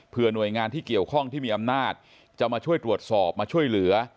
เพื่อหน่วยงานที่เกี่ยวข้องที่มีอำนาจจะมาช่วยตรวจสอบมาช่วยเหลือ